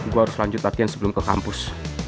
gue harus lanjut latihan sebelum ke kampus